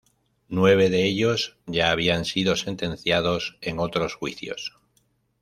Nueve de ellos ya habían sido sentenciados en otros juicios.